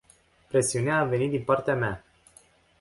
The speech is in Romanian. Presiunea a venit din partea mea.